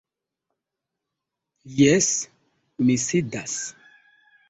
Jes, mi sidas.